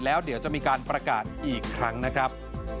แล้วเดี๋ยวจะมีการประกาศอีกครั้งนะครับ